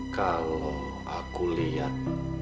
kalau aku lihat